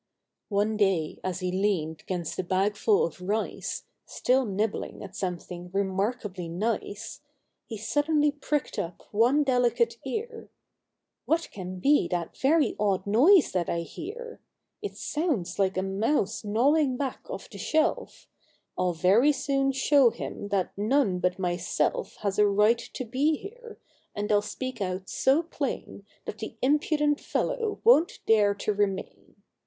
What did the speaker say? One day as he leaned 'gainst a bag full of rice, Still nibbling at something remarkably nice, He suddenly pricked up one delicate ear: —" What can be that very odd noise that I hear! It sounds like a Mouse gnawing back of the shelf; I'll very soon show him that none but myself Has a right to be here, and I'll speak out so plain That the impudent fellow won't dare to remain.